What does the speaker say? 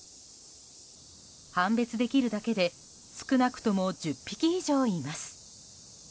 判別できるだけで少なくとも１０匹以上います。